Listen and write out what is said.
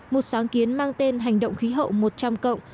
một sáng kiến mang tên hành động khí hậu một trăm linh cộng